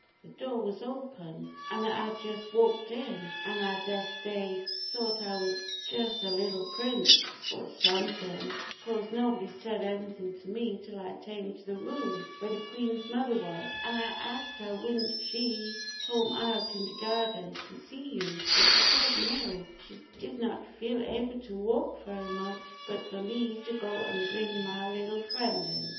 "The door was open, an' I jus' walked in, an' I dess dey sought I was jus' a little prince or somethin', cause nobody said anythin' to me till I tame to the room where de Queen's mother was; an' I asked her wouldn't she tome out in de garden an' see you; an' she said no, she did not feel able to walk very much, but for me to go an' bring my little friend in."